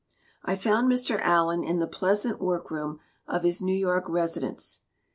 I found Mr. Allen in the pleasant workroom of his New York residence.